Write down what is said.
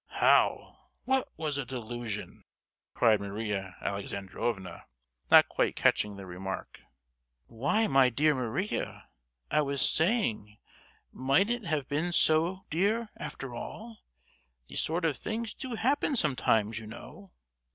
"How! What was a delusion?" cried Maria Alexandrovna, not quite catching the remark. "Why, my dear Maria, I was saying, mightn't it have been so, dear, after all? These sort of things do happen sometimes, you know!"